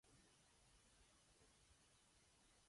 Hijo del abogado Augusto Araya Ochoa y de Graciela Elizalde Keller.